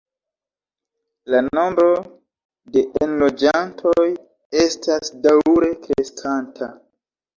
La nombro de enloĝantoj estas daŭre kreskanta.